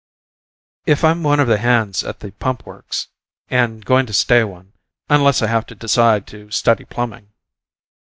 "I! I'm one of the hands at the Pump Works and going to stay one, unless I have to decide to study plumbing."